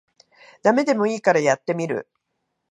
ダメでもいいからやってみる